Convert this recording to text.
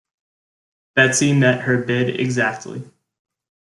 Betsy met her bid exactly.